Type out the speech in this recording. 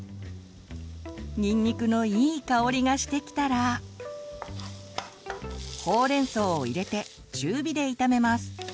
にんにくのいい香りがしてきたらほうれんそうを入れて中火で炒めます。